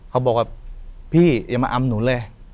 เขาบอกว่าพี่อย่ามาอำหนูเลย